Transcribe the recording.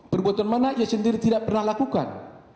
perbuatan mana ia sendiri tidak pernah lakukan